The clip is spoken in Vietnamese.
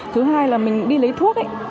thứ hai là mình đi lấy thuốc